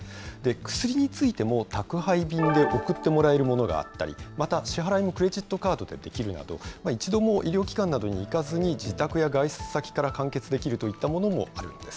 薬についても、宅配便で送ってもらえるものがあったり、また支払いもクレジットカードでできるなど、一度も医療機関などに行かずに、自宅や外出先から完結できるといったものもあるんです。